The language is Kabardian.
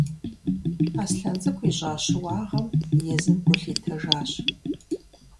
Аслъэн цӏыкӏу ищӏа щыуагъэм езым гу лъитэжащ.